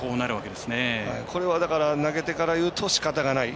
これは、投げ手から言うとしかたない。